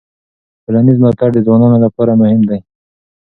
ټولنیز ملاتړ د ځوانانو لپاره مهم دی.